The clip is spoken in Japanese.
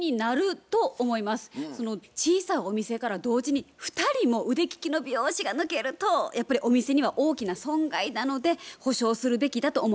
小さいお店から同時に２人も腕利きの美容師が抜けるとやっぱりお店には大きな損害なので補償するべきだと思いますね。